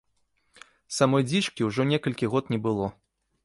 Самой дзічкі ўжо некалькі год не было.